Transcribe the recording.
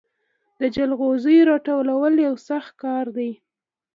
د جلغوزیو راټولول یو سخت کار دی.